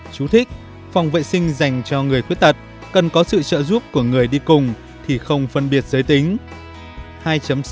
chú thích phòng vệ sinh dành cho người khuyết tật cần có sự trợ giúp của người đi cùng thì không phân biệt giới tính